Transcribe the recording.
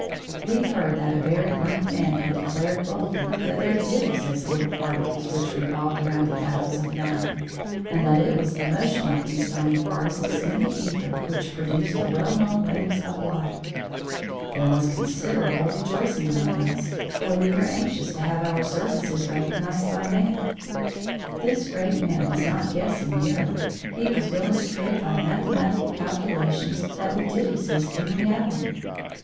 We heard that a very learned man had declared boldly that there did exist little particles which revolved around the atoms of matter, and that it was the motion of these tiny particles in the æther which produced the well known waves of light. There was considerable rejoicing among us, for we were anxious to have our services recognised by man. This great man was not guessing merely; he was willing to prove by mathematical calculations that we did exist in reality.